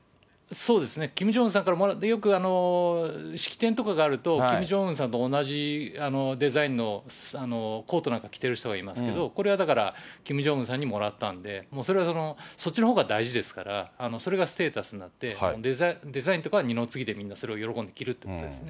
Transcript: そうですね、キム・ジョンウンさんからもらって、よく式典とかがあると、キム・ジョンウンさんと同じデザインのコートなんか着てる人いますけど、これはだから、キム・ジョンウンさんにもらったんで、もうそれはその、そっちのほうが大事ですから、それがステータスになって、デザインとかは二の次でみんなそれを喜んで着るということですね。